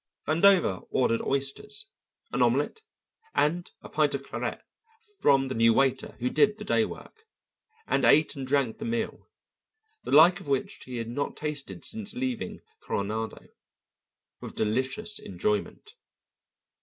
Vandover ordered oysters, an omelette, and a pint of claret from the new waiter who did the day work, and ate and drank the meal the like of which he had not tasted since leaving Coronado with delicious enjoyment.